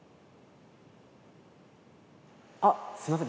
あっすいません。